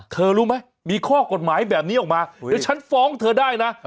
รู้ไหมมีข้อกฎหมายแบบนี้ออกมาเดี๋ยวฉันฟ้องเธอได้นะ